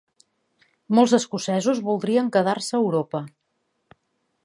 Molts escocesos voldrien quedar-se a Europa